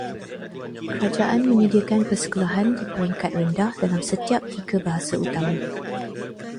Kerajaan menyediakan persekolahan di peringkat rendah dalam setiap tiga bahasa utama.